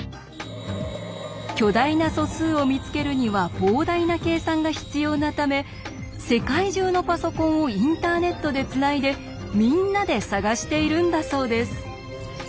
巨大な素数を見つけるには膨大な計算が必要なため世界中のパソコンをインターネットでつないでみんなで探しているんだそうです。